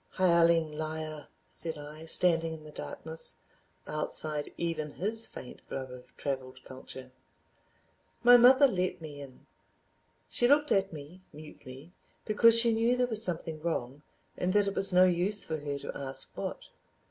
"Hireling Liar," said I, standing in the darkness, outside even his faint glow of traveled culture. .. My mother let me in. She looked at me, mutely, because she knew there was something wrong and that it was no use for her to ask what.